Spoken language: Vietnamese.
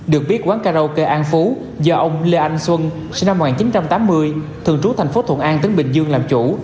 được biết quán karaoke an phú do ông lê anh xuân sinh năm một nghìn chín trăm tám mươi thường trú thành phố thuận an tỉnh bình dương làm chủ